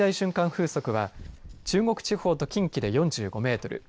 風速は中国地方と近畿で４５メートル